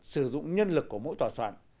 sử dụng nhân lực của mỗi tòa soạn